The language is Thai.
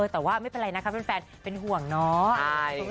แต่ว่าไม่เป็นไรนะคะเป็นแฟนเป็นห่วงเนาะ